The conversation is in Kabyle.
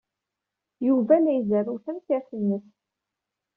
Yuba la izerrew tamsirt-nnes.